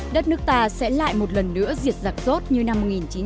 đất nước ta sẽ lại một lần nữa diệt giặc rốt như năm một nghìn chín trăm bảy mươi